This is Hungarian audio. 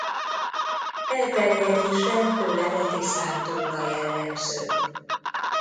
Elterjedése főleg a Tiszántúlra jellemző.